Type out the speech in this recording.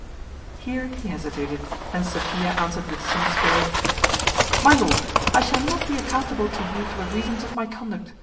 Here he hesitated, and Sophia answered with some spirit, "My lord, I shall not be accountable to you for the reasons of my conduct.